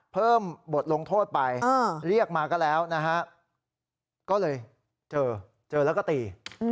เพิ่มบทลงโทษไปเรียกมาก็แล้วนะฮะก็เลยเจอเจอแล้วก็ตี